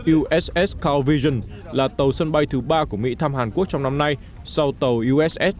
uss coun vision là tàu sân bay thứ ba của mỹ thăm hàn quốc trong năm nay sau tàu uss